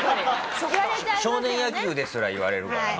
少年野球ですら言われるから。